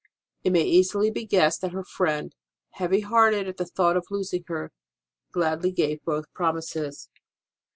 It may I?4 ST. ROSE OF LIMA easily be guessed that her friend, heavy hearted at the thought of losing her, gladly gave both promises.